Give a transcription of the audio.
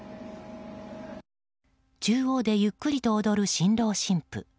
中央でゆっくりと踊る新郎・新婦。